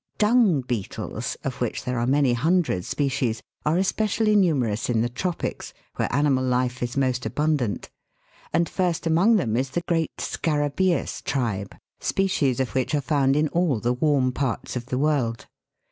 Dung beetles, of which there are many hundred species, are especially numerous in the tropics, where animal life is most abundant; and first among them is the great scara baeus tribe, species of which are found in all the warm parts of the world.